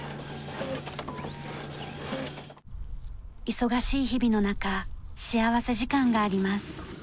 忙しい日々の中幸福時間があります。